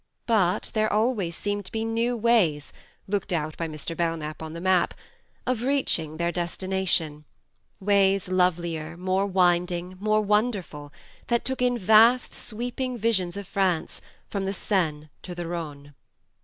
But there always seemed to be new ways (looked out by Mr. Belknap on the map) of reach ing their destination ; ways lovelier, more winding, more wonderful, that took in vast sweeping visions of France from the Seine to the Rhone.